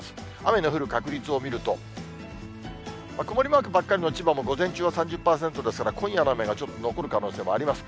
雨の降る確率を見ると、曇りマークばっかりの千葉も午前中は３０％ですから、今夜の雨がちょっと残る可能性もあります。